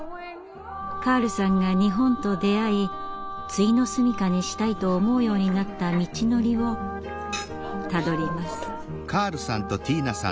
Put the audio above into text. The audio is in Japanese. カールさんが日本と出会いついの住みかにしたいと思うようになった道のりをたどります。